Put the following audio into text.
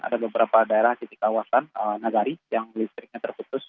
ada beberapa daerah titik kawasan nagari yang listriknya terputus